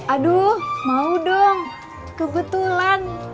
aduh mau dong kebetulan